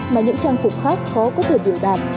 mà những trang phục khác khó có thể biểu đạt